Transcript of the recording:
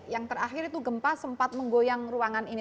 yang terakhir itu gempa sempat menggoyang ruangan ini